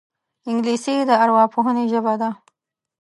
انګلیسي د ارواپوهنې ژبه ده